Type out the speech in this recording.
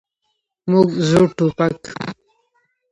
موږ زوړ ټوپک.